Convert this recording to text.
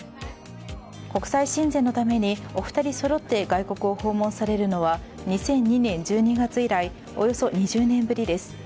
国際親善のためにお二人そろって外国を訪問されるのは２００２年１２月以来およそ２０年ぶりです。